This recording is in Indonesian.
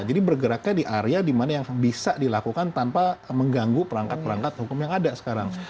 jadi bergeraknya di area dimana yang bisa dilakukan tanpa mengganggu perangkat perangkat hukum yang ada sekarang